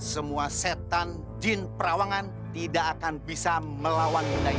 semua setan jin perawangan tidak akan bisa melawan